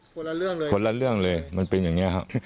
คนละเรื่องเลยมันเป็นอย่างนี้ครับ